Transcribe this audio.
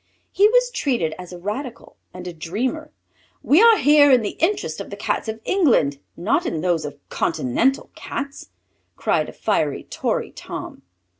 He was treated as a radical and a dreamer. "We are here in the interests of the Cats of England, not in those of continental Cats!" cried a fiery Tory Tom.